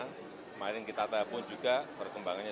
kemarin kita tahu pun juga perkembangannya